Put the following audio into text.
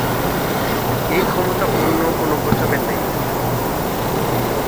এই ক্ষমতা অন্য কোনো কচ্ছপের নেই।